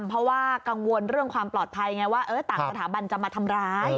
เพราะว่ากังวลเรื่องความปลอดภัยไงว่าต่างสถาบันจะมาทำร้าย